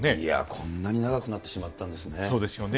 こんなに長くなってしまったそうですよね。